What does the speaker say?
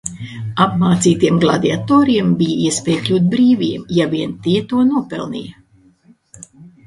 Apmācītiem gladiatoriem bija iespēja kļūt brīviem, ja vien tie to nopelnīja.